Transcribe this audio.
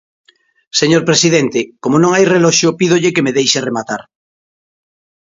Señor presidente, como non hai reloxo, pídolle que me deixe rematar.